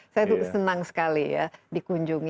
saya senang sekali ya dikunjungi